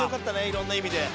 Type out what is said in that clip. いろんな意味で。